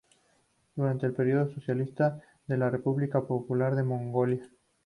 Durante el período socialista de la República Popular de Mongolia.